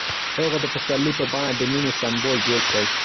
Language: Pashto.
هغه د پسرلی په بڼه د مینې سمبول جوړ کړ.